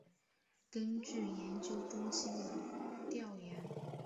根据研究中心的调研